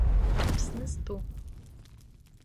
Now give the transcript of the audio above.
Аԥсны зтәу…